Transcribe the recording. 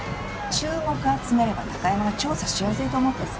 注目集めれば貴山が調査しやすいと思ってさ。